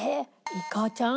いかちゃん？